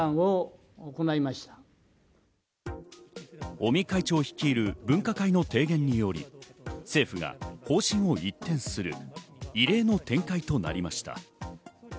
尾身会長率いる分科会の提言により政府が方針を一転する異例の展開となりました。